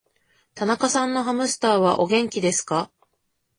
田中さんのハムスターは、お元気ですか。